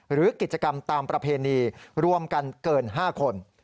หรือกิจกรรมตามประเพณีรวมกันเกิน๕คน